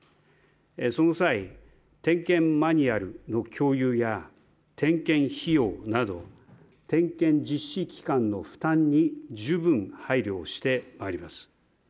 その際、点検マニュアルの共有や点検費用など点検実施機関の負担に十分配慮をしてまいります。